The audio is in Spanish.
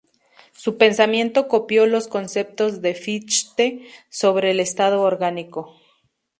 Su pensamiento copió los conceptos de Fichte sobre el Estado orgánico.